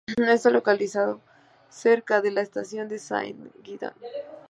Está localizado cerca de la estación de Saint-Guidon.